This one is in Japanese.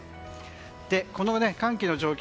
この寒気の状況